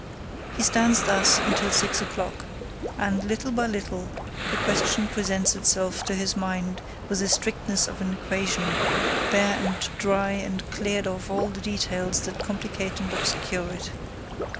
He stands thus until six o'clock, and, little by little, the question presents itself to his mind with the strictness of an equation, bare and dry and cleared of all the details that complicate and obscure it.